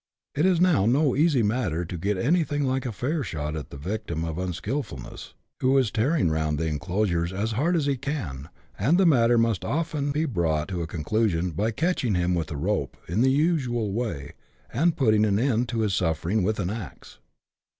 It is now no easy matter to get anything like a fair shot at the victim of unskilfulness, who is tearing round the enclosures as hard as he can, and the matter must often be brought to a conclusion by catching him with a rope, in the usual way, and putting an end to his sufferings with an axe.